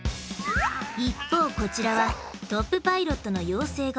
一方こちらはトップ☆パイロットの養成学校。